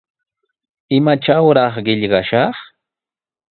¿Imatrawraq qillqashaq?